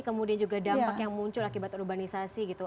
kemudian juga dampak yang muncul akibat urbanisasi gitu